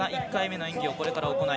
１回目の演技。